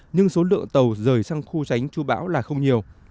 nhưng số lượng tàu rời sang khu tránh chú bão là không nhiều